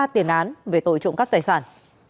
và có ba tiền án về tội trộm cắp tài sản